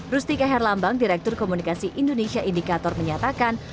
rustika herlambang direktur komunikasi indonesia indikator menyatakan